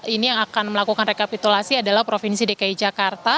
ini yang akan melakukan rekapitulasi adalah provinsi dki jakarta